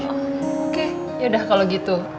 oke ya udah kalau gitu